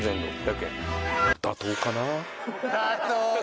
「妥当かな？」